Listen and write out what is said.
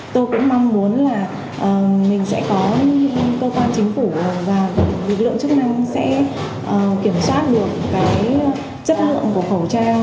tôi cũng mong muốn là mình sẽ có cơ quan chính phủ và lực lượng chức năng sẽ kiểm soát được cái chất lượng của khẩu trang